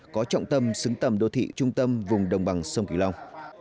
có trọng tâm xứng tầm đô thị trung tâm vùng đồng bằng sông kiều long